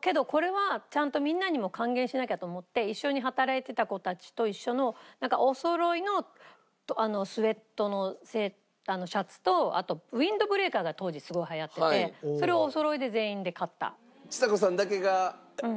けどこれはちゃんとみんなにも還元しなきゃと思って一緒に働いてた子たちと一緒のおそろいのスウェットのシャツとあとウィンドブレーカーが当時すごい流行っててそれをおそろいで全員で買った。